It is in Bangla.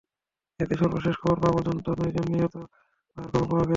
এতে সর্বশেষ খবর পাওয়া পর্যন্ত নয়জন নিহত হওয়ার খবর পাওয়া গেছে।